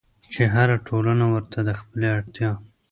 چې هره ټولنه ورته د خپلې اړتيا